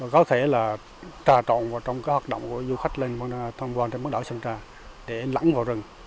có thể là trà trộn trong các hoạt động của du khách lên bán đảo sơn trà để lãng vào rừng